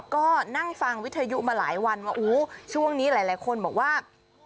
ก็นั่งฟังวิทยุมาหลายวันว่าอู้ช่วงนี้หลายคนบอกว่า